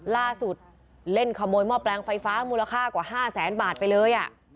ล่าสุดเล่นขโมยหม้อแปลงไฟฟ้ามูลค่ากว่า๕แสนบาทไปเลย